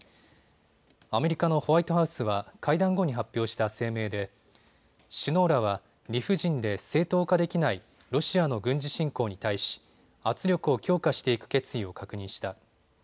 アメリカのホワイトハウスは会談後に発表した声明で首脳らは理不尽で正当化できないロシアの軍事侵攻に対し、圧力を強化していく決意を確認した。